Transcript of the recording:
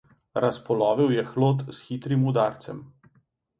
Razpolovil je hlod s hitrim udarcem.